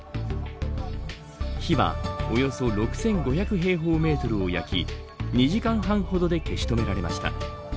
火は、およそ６５００平方メートルを焼き２時間半ほどで消し止められました。